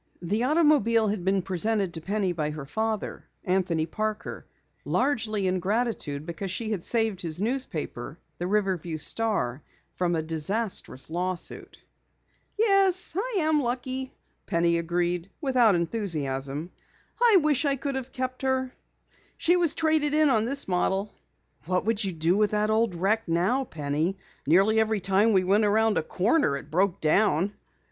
The automobile had been presented to Penny by her father, Anthony Parker, largely in gratitude because she had saved his newspaper, The Riverview Star, from a disastrous law suit. "Yes, I am lucky," Penny agreed without enthusiasm. "All the same, I'm lonesome for my old coupe, Leaping Lena. I wish I could have kept her. She was traded in on this model." "What would you do with that old wreck now, Penny? Nearly every time we went around a corner it broke down."